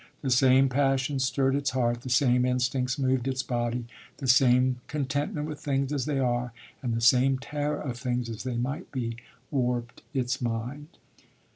The same passions stirred its heart, the same instincts moved its body, the same contentment with things as they are, and the same terror of things as they might be, warped its mind.